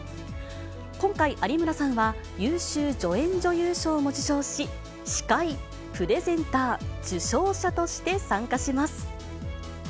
今回、有村さんは優秀助演女優賞も受賞し、司会、プレゼンター、受賞者として参加します。